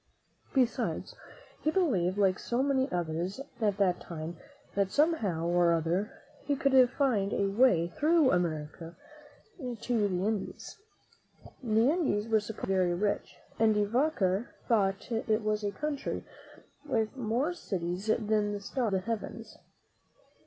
Be sides, he believed, like so many others at that time, that somehow or other he could find a way through America to the Indies. The Indies were supposed to be very rich, and De Vaca thought it was a country with more cities than the stars of the heavens.